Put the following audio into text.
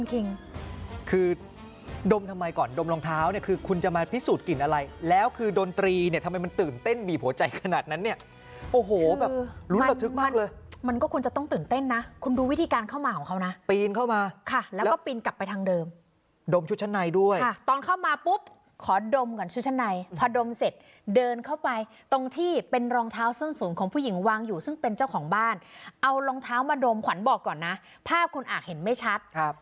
คือดมทำไมก่อนดมรองเท้าเนี่ยคือคุณจะมาพิสูจน์กลิ่นอะไรแล้วคือดนตรีเนี่ยทำไมมันตื่นเต้นมีโผล่ใจขนาดนั้นเนี่ยโอ้โหแบบรู้ละทึกมากเลยมันก็คุณจะต้องตื่นเต้นนะคุณดูวิธีการเข้ามาของเขาน่ะปีนเข้ามาค่ะแล้วก็ปีนกลับไปทางเดิมดมชุดชั้นในด้วยค่ะตอนเข้ามาปุ๊บขอดมก่อนชุดชั้นในพอดมเสร